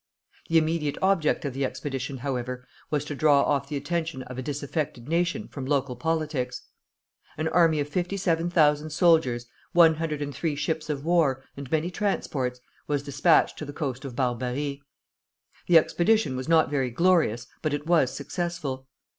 The immediate object of the expedition, however, was to draw off the attention of a disaffected nation from local politics. An army of 57,000 soldiers, 103 ships of war, and many transports, was despatched to the coast of Barbary. The expedition was not very glorious, but it was successful.